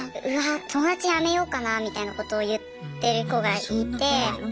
「うわ友達やめようかな」みたいなことを言ってる子がいて。